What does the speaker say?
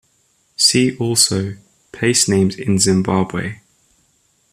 See also: Place names in Zimbabwe.